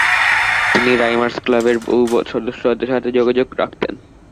তিনি রাইমার্স ক্লাবের বহু সদস্যদের সাথে যোগাযোগ রাখতেন।